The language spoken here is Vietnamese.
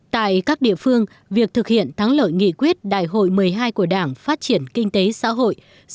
tại các địa phương việc thực hiện thắng lợi nghị quyết đại hội một mươi hai của đảng phát triển kinh tế xã hội